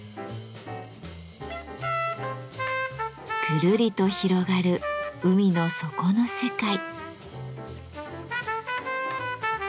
ぐるりと広がる海の底の世界。